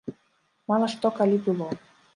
Мала што калі было.